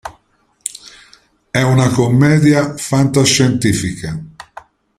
È una commedia fantascientifica.